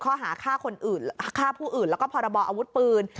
ข้อหาฆ่าผู้อื่นแล้วก็พรบออาวุธปืน